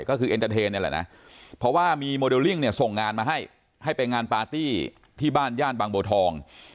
ก็คือเอ็นเตอร์เทนเนี่ยแหละนะเพราะว่ามีโมเดลลิ่งเนี่ยส่งงานมาให้ให้ไปงานปาร์ตี้ที่บ้านย่านบางบัวทอง